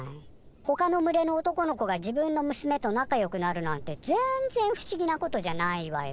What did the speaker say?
ほかの群れの男の子が自分の娘と仲よくなるなんてぜんぜん不思議なことじゃないわよ。